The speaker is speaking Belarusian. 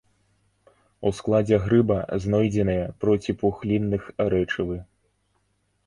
У складзе грыба знойдзеныя проціпухлінных рэчывы.